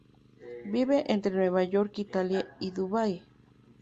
Vive entre Nueva York, Italia y Dubái.